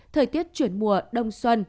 thời tiết chuyển mùa đông xuân